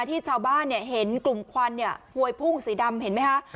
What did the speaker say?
ที่ชาวบ้านเห็นกลุ่มควันเนี่ยพวยพุ่งสีดำเห็นไหมคะ